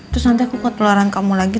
terus nanti aku kekeluaran kamu lagi